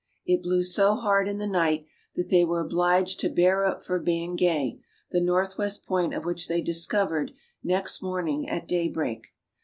It blew so hard in the night that they were obliged to bear up for Bangay, the north west point of which they discovered next morning at day break.